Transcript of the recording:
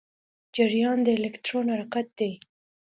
جریان د الکترون حرکت دی.